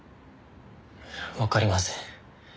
わかりません。